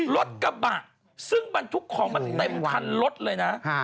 รถกระบะซึ่งบรรทุกของมาเต็มคันรถเลยนะ